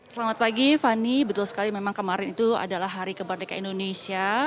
selamat pagi fani betul sekali memang kemarin itu adalah hari kemerdekaan indonesia